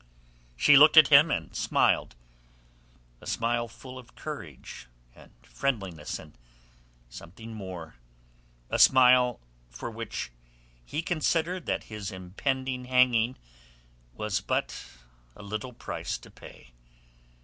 She looked at him, and smiled—a smile full of courage and friendliness and something more, a smile for which he considered that his impending hanging was but a little price to pay.